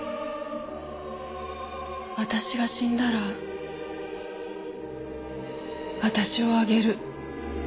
私が死んだら私をあげる。